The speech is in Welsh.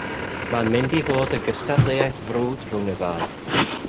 Mae'n mynd i fod yn gystadleuaeth frwd rhwng y ddau